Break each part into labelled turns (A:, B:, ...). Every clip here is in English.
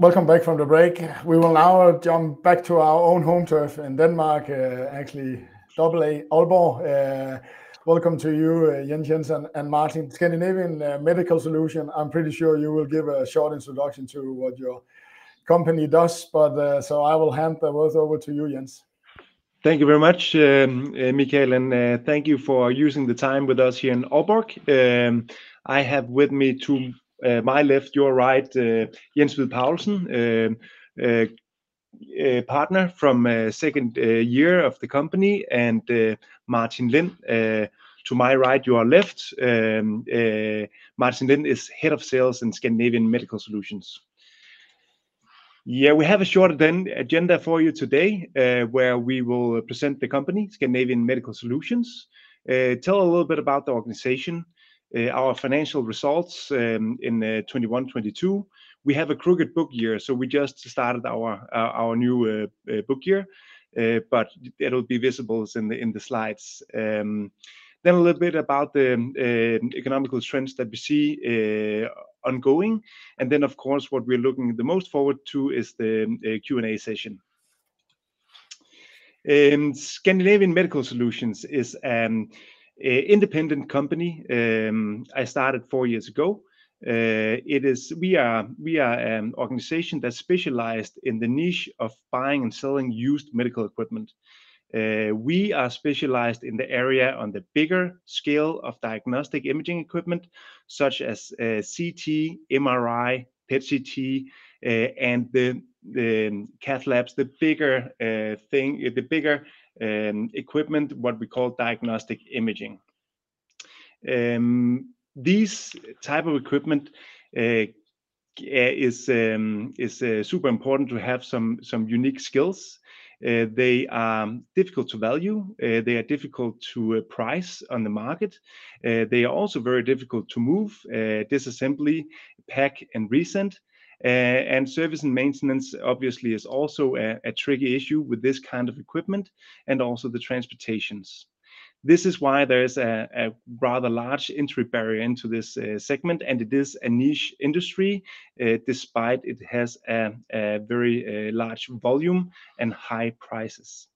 A: Welcome back from the break. We will now jump back to our own home turf in Denmark, actually double A, Aalborg. Welcome to you, Jens Krohn and Martin. Scandinavian Medical Solutions, I'm pretty sure you will give a short introduction to what your company does, but I will hand the words over to you, Jens.
B: Thank you very much, Michael. Thank you for using the time with us here in Aalborg. I have with me to my left, your right, Jens Hvid Paulsen, a partner from second year of the company, and Martin Lind to my right, your left. Martin Lind is Head of Sales in Scandinavian Medical Solutions. We have a short agenda for you today, where we will present the company, Scandinavian Medical Solutions, tell a little bit about the organization, our financial results in 2021, 2022. We have a broken book year. We just started our new book year. It'll be visible in the slides. A little bit about the economical trends that we see ongoing, and then of course what we're looking the most forward to is the a Q&A session. Scandinavian Medical Solutions is an, a independent company, I started four years ago. We are an organization that's specialized in the niche of buying and selling used medical equipment. We are specialized in the area on the bigger scale of diagnostic imaging equipment such as CT, MRI, PET/CT, and the cath labs, the bigger thing, the bigger equipment, what we call diagnostic imaging. These type of equipment is super important to have some unique skills. They are difficult to value. They are difficult to price on the market. They are also very difficult to move, disassembly, pack and resend. Service and maintenance obviously is also a tricky issue with this kind of equipment, and also the transportations. This is why there is a rather large entry barrier into this segment, and it is a niche industry, despite it has a very large volume and high prices.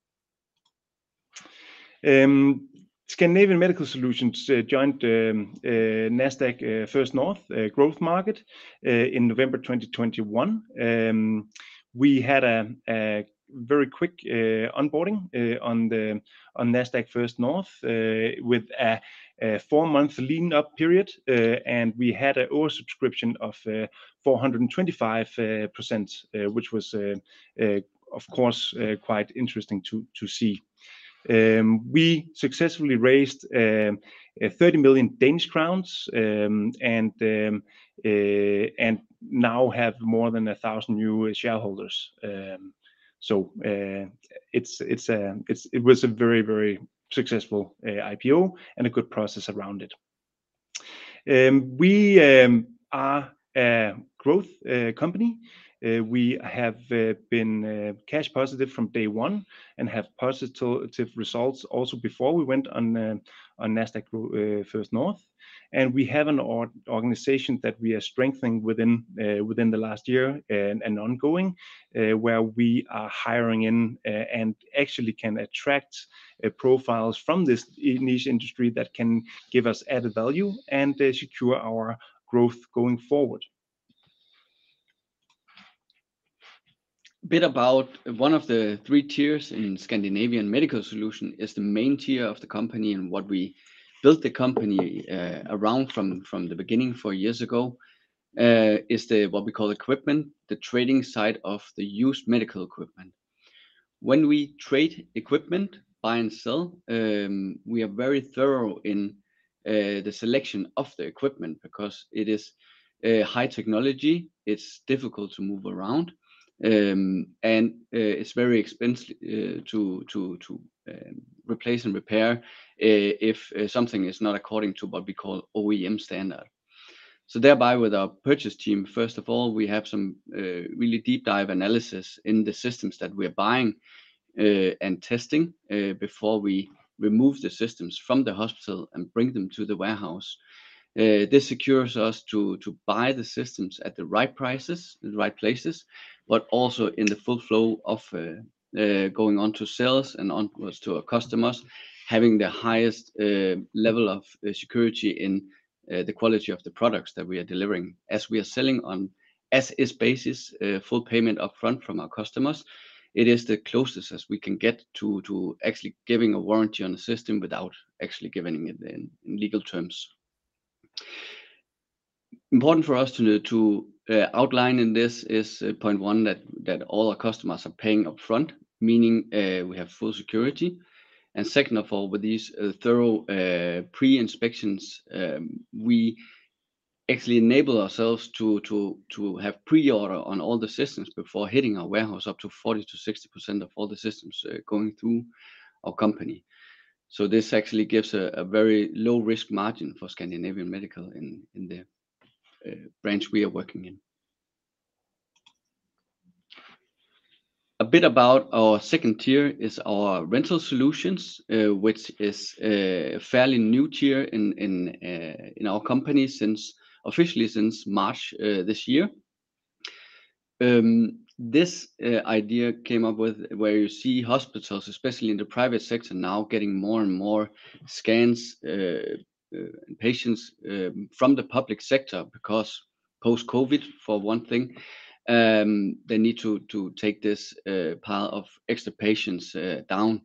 B: Scandinavian Medical Solutions joined Nasdaq First North, a growth market, in November 2021. We had a very quick onboarding on Nasdaq First North with a 4-month leading up period, and we had an oversubscription of 425%, which was of course quite interesting to see. We successfully raised 30 million Danish crowns and now have more than 1,000 new shareholders. It was a very, very successful IPO and a good process around it. We are a growth company. We have been cash positive from day 1 and have positive results also before we went on Nasdaq First North. We have an organization that we are strengthening within the last year and ongoing, where we are hiring in and actually can attract profiles from this niche industry that can give us added value and secure our growth going forward.
C: Bit about one of the three tiers in Scandinavian Medical Solutions is the main tier of the company and what we built the company around from the beginning four years ago is the, what we call equipment, the trading side of the used medical equipment. When we trade equipment, buy and sell, we are very thorough in the selection of the equipment because it is high technology, it's difficult to move around, and it's very expensive to replace and repair if something is not according to what we call OEM standard. Thereby with our purchase team, first of all, we have some really deep dive analysis in the systems that we're buying and testing before we remove the systems from the hospital and bring them to the warehouse. This secures us to buy the systems at the right prices, the right places, but also in the full flow of going on to sales and onwards to our customers, having the highest level of security in the quality of the products that we are delivering. As we are selling on as-is basis, full payment upfront from our customers, it is the closest as we can get to actually giving a warranty on a system without actually giving it in legal terms. Important for us to outline in this is, point one, that all our customers are paying upfront, meaning, we have full security. Second of all, with these thorough pre-inspections, we actually enable ourselves to have pre-order on all the systems before hitting our warehouse up to 40%-60% of all the systems going through our company. This actually gives a very low risk margin for Scandinavian Medical in the branch we are working in. A bit about our second tier is our rental solutions, which is a fairly new tier in our company since officially since March this year. This idea came up with where you see hospitals, especially in the private sector, now getting more and more scans, patients from the public sector because post-COVID for one thing, they need to take this pile of extra patients down.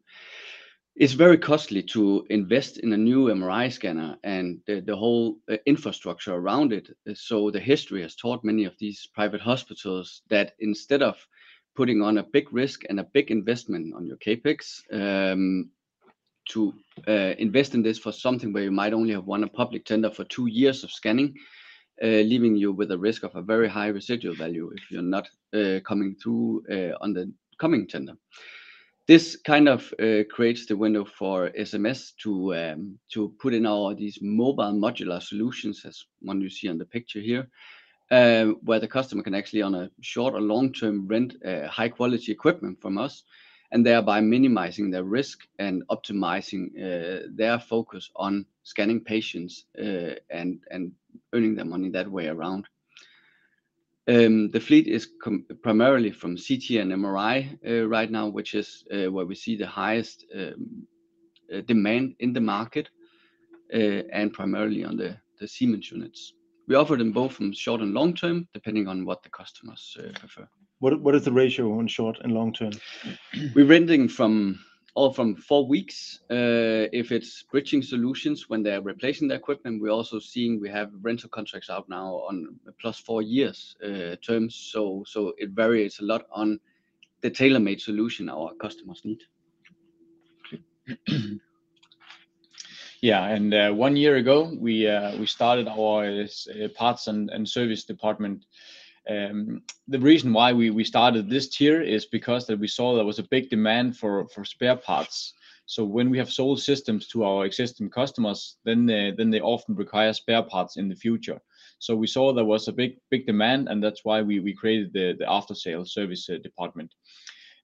C: It's very costly to invest in a new MRI scanner and the whole infrastructure around it. The history has taught many of these private hospitals that instead of putting on a big risk and a big investment on your CapEx, to invest in this for something where you might only have won a public tender for two years of scanning, leaving you with a risk of a very high residual value if you're not coming through on the coming tender. This kind of creates the window for SMS to put in all these mobile modular solutions as one you see on the picture here, where the customer can actually on a short or long-term rent high-quality equipment from us and thereby minimizing their risk and optimizing their focus on scanning patients and earning their money that way around. The fleet is primarily from CT and MRI right now, which is where we see the highest demand in the market and primarily on the Siemens units. We offer them both in short and long-term, depending on what the customers prefer.
B: What is the ratio on short and long term?
C: We're renting from all from four weeks. If it's bridging solutions when they're replacing the equipment, we're also seeing we have rental contracts out now on plus four years, terms. It varies a lot on the tailor-made solution our customers need.
D: Yeah. One year ago, we started our parts and service department. The reason why we started this tier is because that we saw there was a big demand for spare parts. When we have sold systems to our existing customers, then they often require spare parts in the future. We saw there was a big demand, and that's why we created the after-sale service department.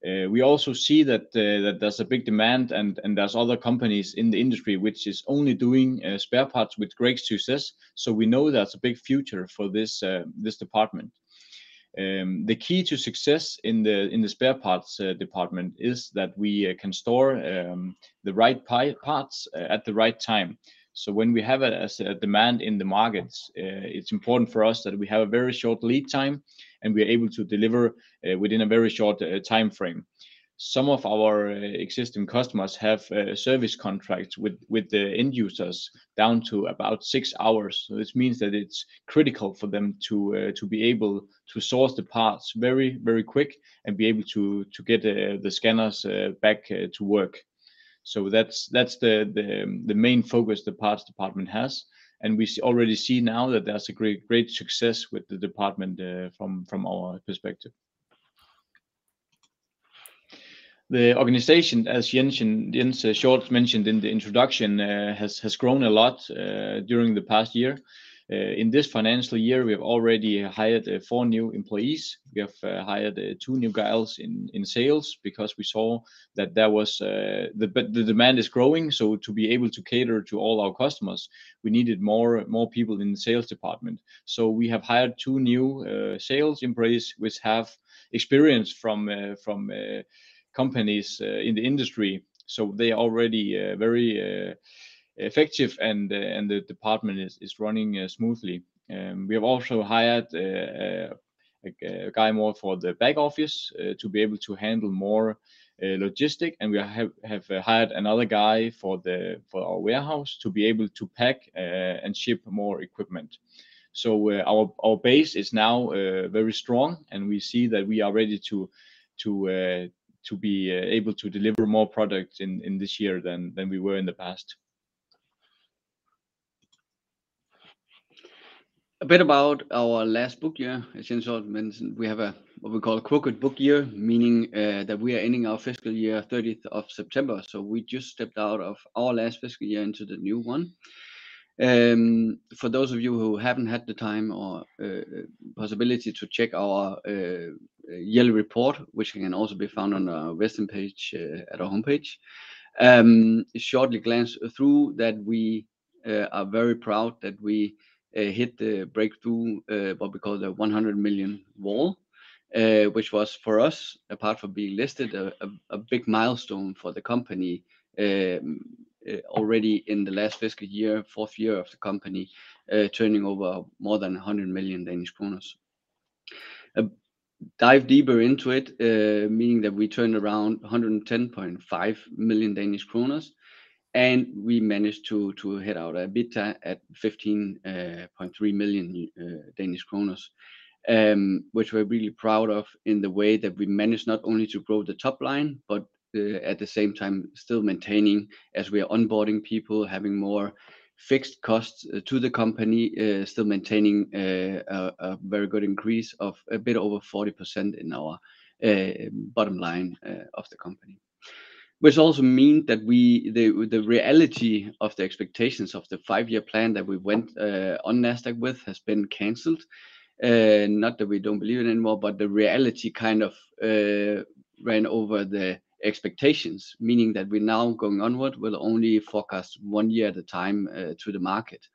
D: We also see that there's a big demand and there's other companies in the industry which is only doing spare parts with great success, so we know there's a big future for this department. The key to success in the spare parts department is that we can store the right parts at the right time. When we have a demand in the markets, it's important for us that we have a very short lead time and we are able to deliver within a very short timeframe. Some of our existing customers have service contracts with the end users down to about six hours. This means that it's critical for them to be able to source the parts very, very quick and be able to get the scanners back to work. That's the main focus the parts department has. And we already see now that there's a great success with the department from our perspective. The organization, as Jens Short mentioned in the introduction, has grown a lot during the past year. In this financial year, we have already hired four new employees. We have hired two new guys in sales because we saw that the demand is growing, to be able to cater to all our customers, we needed more people in the sales department. We have hired two new sales employees which have experience from companies in the industry. They are already very effective and the department is running smoothly. We have also hired a guy more for the back office to be able to handle more logistics, and we have hired another guy for our warehouse to be able to pack and ship more equipment. Our base is now very strong, and we see that we are ready to be able to deliver more products in this year than we were in the past.
C: A bit about our last book year. As Jens Krohn mentioned, we have a, what we call a broken book year, meaning that we are ending our fiscal year 30th of September. We just stepped out of our last fiscal year into the new one. For those of you who haven't had the time or possibility to check our yearly report, which can also be found on our website page at our homepage, shortly glance through that we are very proud that we hit the breakthrough, what we call the 100 million wall, which was for us, apart from being listed a big milestone for the company, already in the last fiscal year, 4th year of the company, turning over more than 100 million Danish krones. Dive deeper into it, meaning that we turned around 110.5 million Danish kroner, and we managed to hit our EBITDA at 15.3 million Danish kroner, which we're really proud of in the way that we managed not only to grow the top line, but at the same time still maintaining as we are onboarding people, having more fixed costs to the company, still maintaining a very good increase of a bit over 40% in our bottom line of the company. Which also mean that we, the reality of the expectations of the 5-year plan that we went on Nasdaq with has been canceled. Not that we don't believe it anymore, but the reality kind of ran over the expectations. Meaning that we're now going onward. We'll only forecast one year at a time to the market.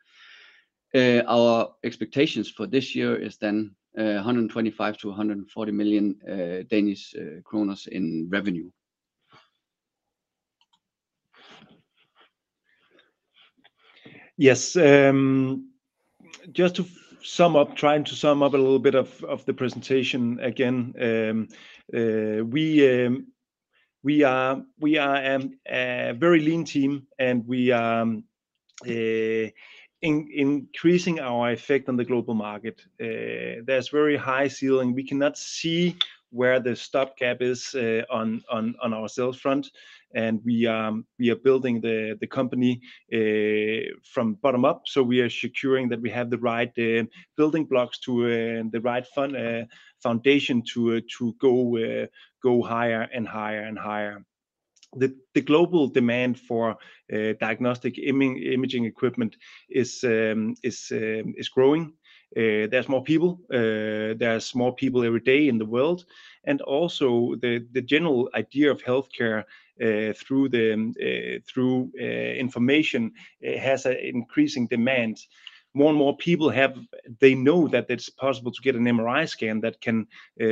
C: Our expectations for this year is then 125 million-140 million Danish kroner in revenue.
B: Yes, just to sum up, trying to sum up a little bit of the presentation again. We are a very lean team, and we are increasing our effect on the global market. There's very high ceiling. We cannot see where the stop gap is on our sales front. We are building the company from bottom up. We are securing that we have the right building blocks to the right foundation to go higher and higher and higher. The global demand for diagnostic imaging equipment is growing. There's more people every day in the world. Also the general idea of healthcare, through the, through information, it has an increasing demand. More and more people, they know that it's possible to get an MRI scan that can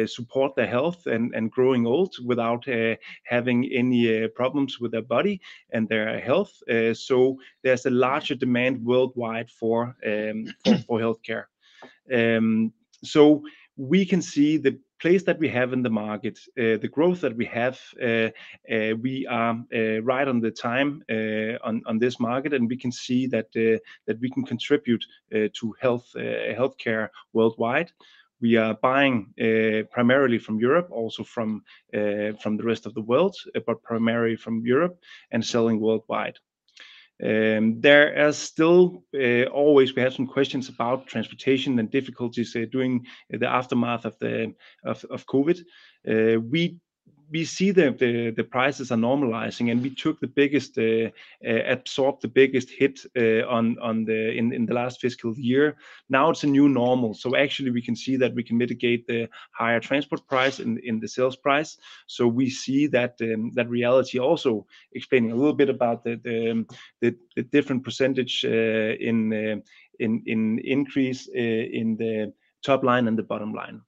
B: support their health and growing old without having any problems with their body and their health. There's a larger demand worldwide for healthcare. We can see the place that we have in the market, the growth that we have. We are right on the time on this market, and we can see that we can contribute to health, healthcare worldwide. We are buying primarily from Europe, also from the rest of the world, but primarily from Europe and selling worldwide. There are still always we have some questions about transportation and difficulties, say, during the aftermath of the COVID. We see the prices are normalizing. We took the biggest absorbed the biggest hit on the last fiscal year. Now it's a new normal. Actually we can see that we can mitigate the higher transport price in the sales price. We see that reality also explaining a little bit about the different percentage in increase in the top line and the bottom line.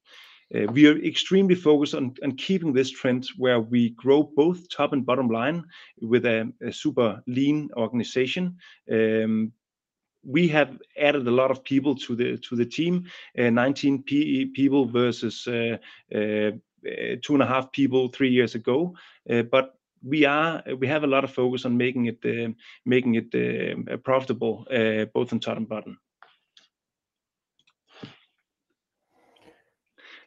B: We are extremely focused on keeping this trend where we grow both top and bottom line with a super lean organization. We have added a lot of people to the team, 19 people versus 2 and a half people 3 years ago. But we have a lot of focus on making it profitable, both on top and bottom.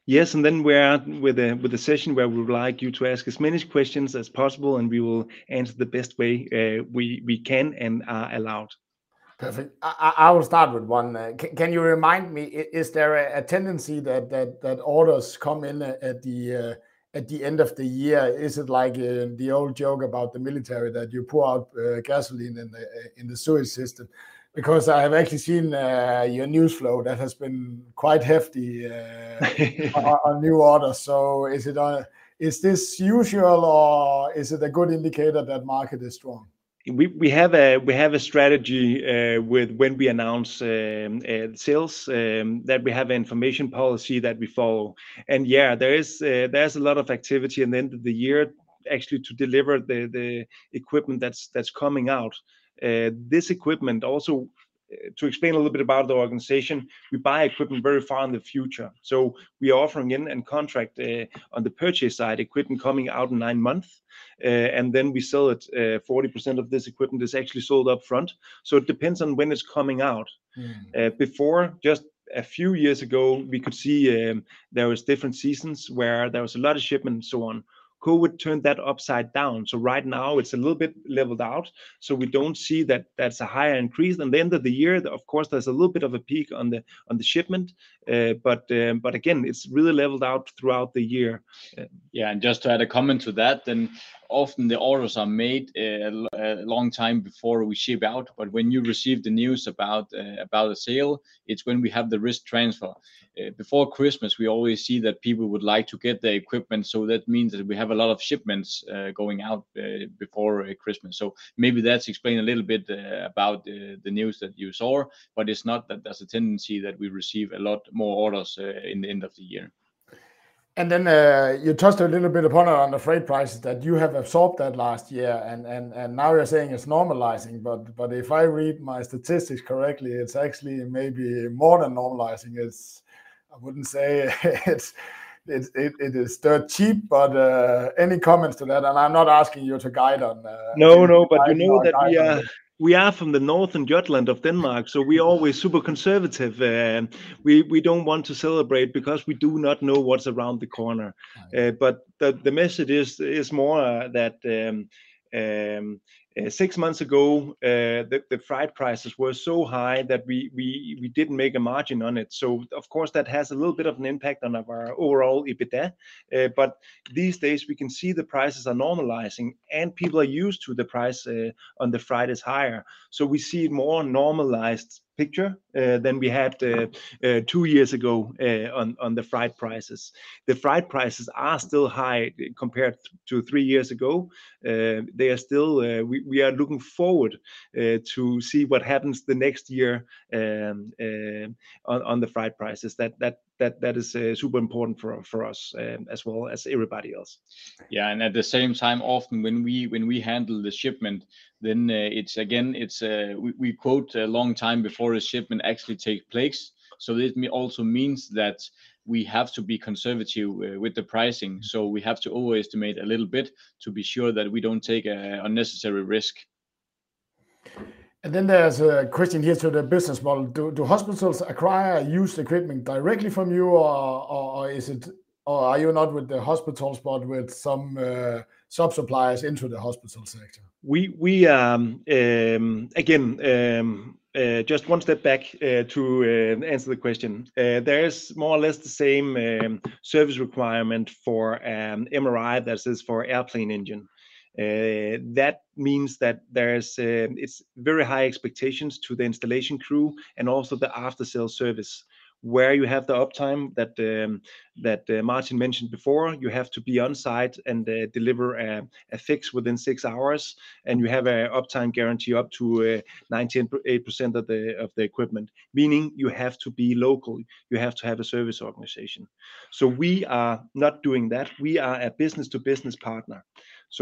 B: Yes. Then we are with a session where we would like you to ask as many questions as possible, and we will answer the best way we can and are allowed.
A: Perfect. I will start with one. Can you remind me, is there a tendency that orders come in at the end of the year? Is it like the old joke about the military that you pour out gasoline in the sewer system? Because I have actually seen your news flow that has been quite hefty on new orders. Is this usual or is it a good indicator that market is strong?
B: We have a strategy with when we announce sales that we have information policy that we follow. Yeah, there is, there's a lot of activity in the end of the year actually to deliver the equipment that's coming out. This equipment also to explain a little bit about the organization, we buy equipment very far in the future. We are offering in and contract on the purchase side equipment coming out in nine months. Then we sell it. 40% of this equipment is actually sold up front, so it depends on when it's coming out.
A: Mm.
B: Before, just a few years ago, we could see, there was different seasons where there was a lot of shipment and so on. COVID turned that upside down. Right now it's a little bit leveled out. We don't see that that's a higher increase. In the end of the year, of course, there's a little bit of a peak on the, on the shipment. Again, it's really leveled out throughout the year.
C: Yeah. Just to add a comment to that, often the orders are made a long time before we ship out. When you receive the news about about the sale, it's when we have the risk transfer. Before Christmas, we always see that people would like to get the equipment. That means that we have a lot of shipments going out before Christmas. Maybe that's explain a little bit about the the news that you saw, but it's not that there's a tendency that we receive a lot more orders in the end of the year.
A: You touched a little bit upon it on the freight prices that you have absorbed that last year and now you're saying it's normalizing. But if I read my statistics correctly, it's actually maybe more than normalizing. I wouldn't say it's dirt cheap, but any comments to that? I'm not asking you to guide on.
B: No.
A: Any guiding or guiding us?
B: you know that we are from the north in Jutland of Denmark, so we're always super conservative and we don't want to celebrate because we do not know what's around the corner.
A: Right.
B: The message is more that, 6 months ago, the freight prices were so high that we didn't make a margin on it, so of course that has a little bit of an impact on our overall EBITDA. These days we can see the prices are normalizing and people are used to the price on the freight is higher. We see more normalized picture than we had 2 years ago on the freight prices. The freight prices are still high compared to 3 years ago. They are still. We are looking forward to see what happens the next year on the freight prices. That is super important for us as well as everybody else.
D: Yeah. At the same time often when we handle the shipment then, we quote a long time before a shipment actually take place, so it also means that we have to be conservative with the pricing. We have to always estimate a little bit to be sure that we don't take a unnecessary risk.
A: There's a question here to the business model. Do hospitals acquire used equipment directly from you or is it, or are you not with the hospitals but with some sub-suppliers into the hospital sector?
B: We again, just one step back to answer the question. There is more or less the same service requirement for MRI that is for airplane engine. That means that there's very high expectations to the installation crew and also the after sales service where you have the uptime that Martin mentioned before. You have to be on site and deliver a fix within six hours and you have a uptime guarantee up to 98% of the equipment, meaning you have to be local. You have to have a service organization. We are not doing that. We are a business to business partner,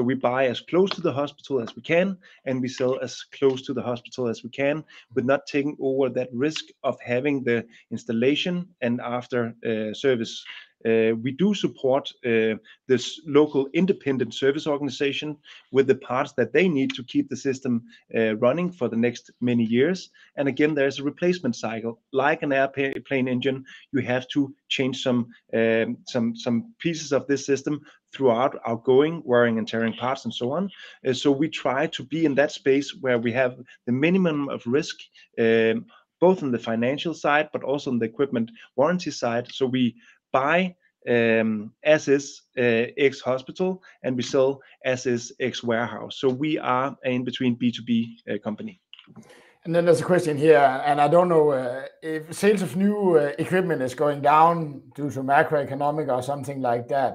B: we buy as close to the hospital as we can, and we sell as close to the hospital as we can, but not taking over that risk of having the installation and after service. We do support this local independent service organization with the parts that they need to keep the system running for the next many years. Again, there's a replacement cycle, like an airplane engine, you have to change some pieces of this system throughout, outgoing wearing and tearing parts and so on. We try to be in that space where we have the minimum of risk, both on the financial side, but also on the equipment warranty side. We buy as-is, ex-hospital and we sell as-is, ex-warehouse. we are in between B2B, company.
A: There's a question here, and I don't know if sales of new equipment is going down due to macroeconomic or something like that,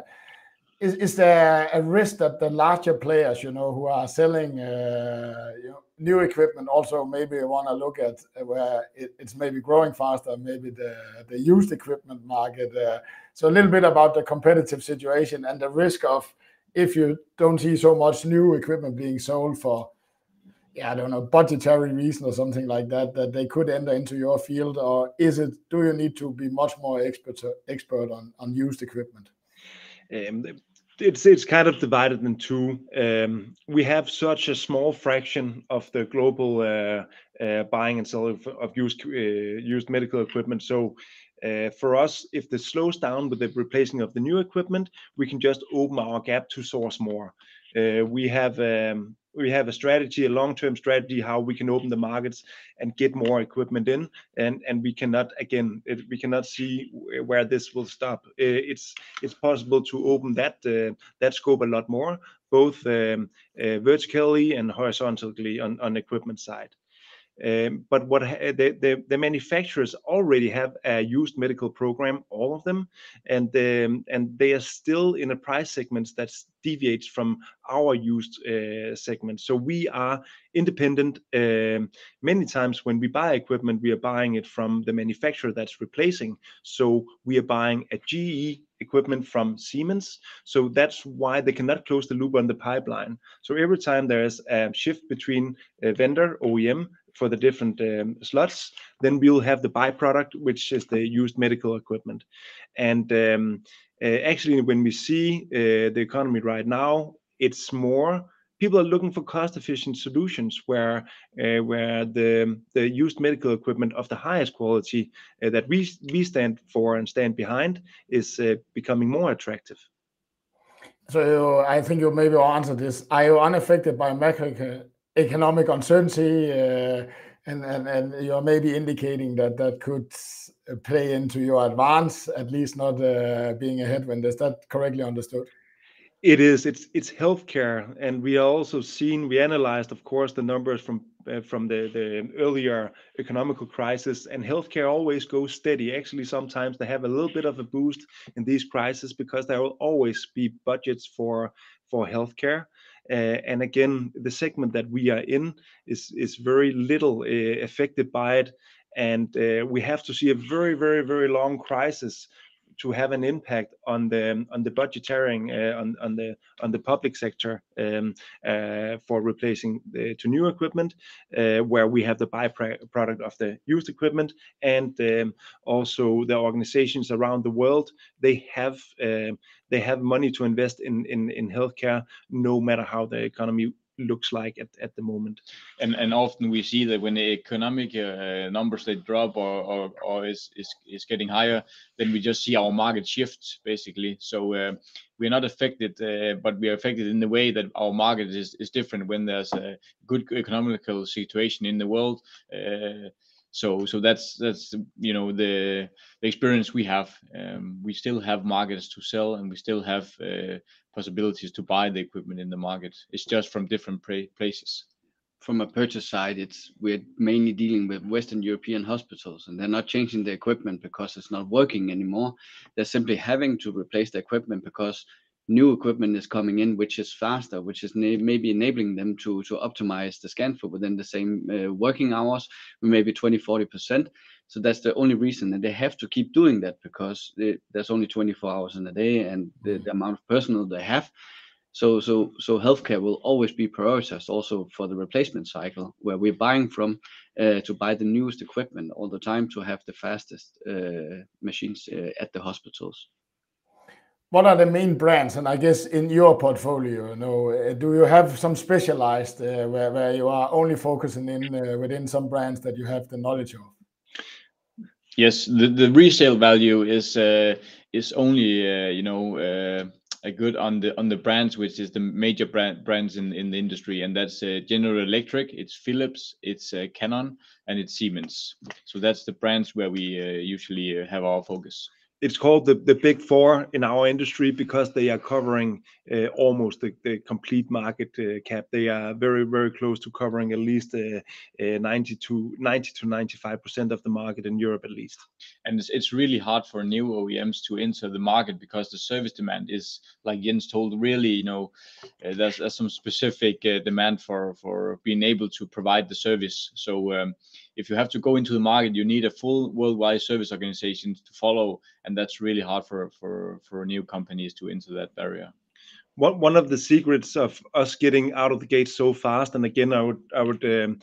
A: is there a risk that the larger players, you know, who are selling, you know, new equipment also maybe want to look at where it's maybe growing faster, maybe the used equipment market? A little bit about the competitive situation and the risk of if you don't see so much new equipment being sold for, I don't know, budgetary reason or something like that they could enter into your field? Is it, do you need to be much more expert on used equipment?
B: It's kind of divided in two. We have such a small fraction of the global buying and selling of used medical equipment. For us, if this slows down with the replacing of the new equipment, we can just open our gap to source more. We have a strategy, a long-term strategy, how we can open the markets and get more equipment in, and we cannot again, we cannot see where this will stop. It's possible to open that scope a lot more both vertically and horizontally on equipment side. But the manufacturers already have a used medical program, all of them and they are still in a price segments that's deviates from our used segment. We are independent. Many times when we buy equipment, we are buying it from the manufacturer that's replacing. We are buying a GE equipment from Siemens, that's why they cannot close the loop on the pipeline. Every time there is shift between a vendor, OEM for the different slots, then we'll have the by-product which is the used medical equipment. Actually when we see the economy right now it's more people are looking for cost-efficient solutions where the used medical equipment of the highest quality that we stand for and stand behind is becoming more attractive.
A: I think you maybe answer this. Are you unaffected by macroeconomic uncertainty? You are maybe indicating that that could play into your advance, at least not, being a headwind. Is that correctly understood?
B: It is. It's healthcare and we are also seen, we analyzed of course the numbers from the earlier economic crisis and healthcare always goes steady. Actually, sometimes they have a little bit of a boost in these crises because there will always be budgets for healthcare. Again, the segment that we are in is very little affected by it. We have to see a very long crisis to have an impact on the budgeting, on the public sector for replacing the new equipment, where we have the byproduct of the used equipment and then also the organizations around the world, they have money to invest in healthcare no matter how the economy looks like at the moment.
D: Often we see that when the economic numbers they drop or is getting higher, then we just see our market shift basically. We're not affected, but we are affected in the way that our market is different when there's a good economical situation in the world. That's, you know, the experience we have. We still have markets to sell and we still have possibilities to buy the equipment in the market. It's just from different places.
C: From a purchase side, we're mainly dealing with Western European hospitals. They're not changing their equipment because it's not working anymore. They're simply having to replace the equipment because new equipment is coming in which is faster, which is enabling them to optimize the scan floor within the same working hours, maybe 20%-40%. That's the only reason. They have to keep doing that because there's only 24 hours in a day and the amount of personnel they have. Healthcare will always be prioritized also for the replacement cycle where we're buying from to buy the newest equipment all the time to have the fastest machines at the hospitals.
A: What are the main brands? I guess in your portfolio, you know, do you have some specialized, where you are only focusing in within some brands that you have the knowledge of?
D: Yes. The resale value is only, you know, a good on the brands which is the major brands in the industry. That's General Electric, it's Philips, it's Canon, and it's Siemens. That's the brands where we usually have our focus.
B: It's called the Big Four in our industry because they are covering almost the complete market cap. They are very close to covering at least 90%-95% of the market in Europe at least.
D: It's really hard for new OEMs to enter the market because the service demand is, like Jens told, really, you know, there's some specific demand for being able to provide the service. If you have to go into the market, you need a full worldwide service organization to follow, and that's really hard for new companies to enter that area.
B: One of the secrets of us getting out of the gate so fast. Again, I would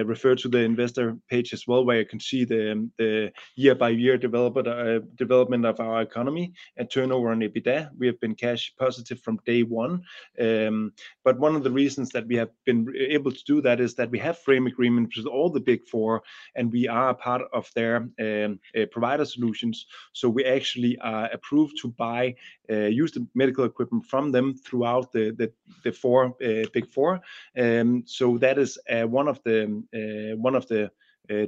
B: refer to the investor page as well, where you can see the year by year development of our economy and turnover on EBITDA. We have been cash positive from day one. One of the reasons that we have been able to do that is that we have frame agreement with all the Big Four. We are a part of their provider solutions. We actually are approved to buy used medical equipment from them throughout the Big Four. That is one of the one of the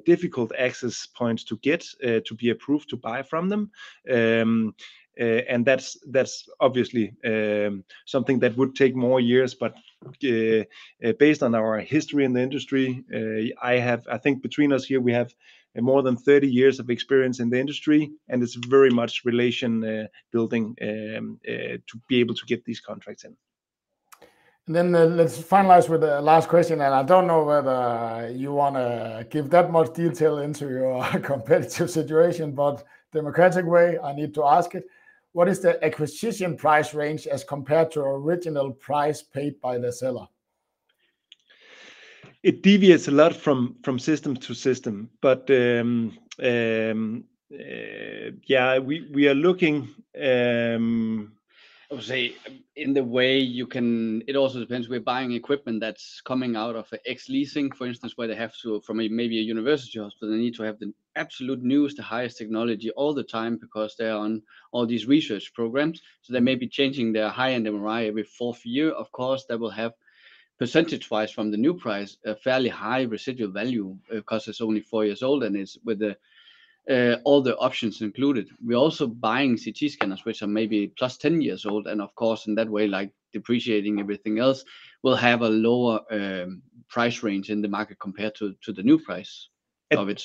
B: difficult access points to get to be approved to buy from them. That's obviously something that would take more years. Based on our history in the industry, I think between us here we have more than 30 years of experience in the industry and it's very much relation building to be able to get these contracts in.
A: Let's finalize with the last question, and I don't know whether you wanna give that much detail into your competitive situation, but democratic way, I need to ask it. What is the acquisition price range as compared to original price paid by the seller?
B: It deviates a lot from system to system. Yeah, we are looking.
C: I would say in the way you can. It also depends, we're buying equipment that's coming out of ex-leasing, for instance, where they have to, from a university hospital, they need to have the absolute newest, highest technology all the time because they're on all these research programs, so they may be changing their high-end MRI every fourth year. Of course, they will have, percentage-wise from the new price, a fairly high residual value, 'cause it's only four years old and it's with all the options included. We're also buying CT scanners, which are maybe +10 years old and of course in that way, like depreciating everything else, will have a lower price range in the market compared to the new price of it.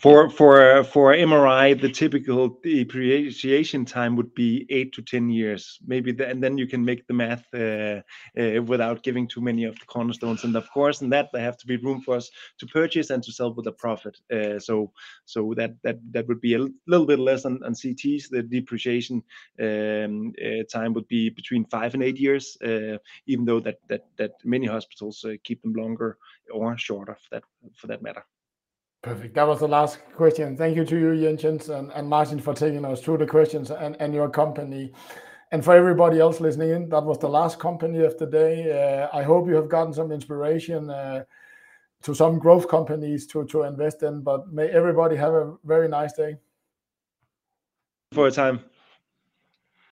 B: For MRI, the typical depreciation time would be 8 to 10 years maybe. Then you can make the math without giving too many of the cornerstones. Of course in that there have to be room for us to purchase and to sell with a profit. That would be a little bit less on CTs. The depreciation time would be between 5 and 8 years, even though many hospitals keep them longer or shorter for that matter.
A: Perfect. That was the last question. Thank you to you, Jens Krohn and Martin for taking us through the questions and your company. For everybody else listening in, that was the last company of the day. I hope you have gotten some inspiration to some growth companies to invest in, but may everybody have a very nice day.
D: Thank you for your time.